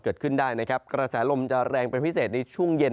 กระแสลมจะแรงเป็นพิเศษในช่วงเย็น